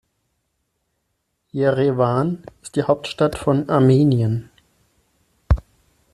Jerewan ist die Hauptstadt von Armenien.